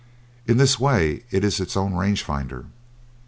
In this way it is its own range finder.